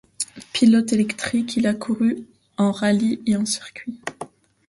Pilote éclectique, il a couru en rallye et en circuit.